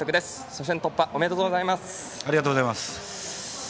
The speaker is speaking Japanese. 初戦突破おめでとうございます。